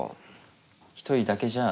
一人だけじゃ。